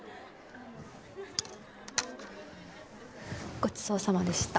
ごちそうさまでした。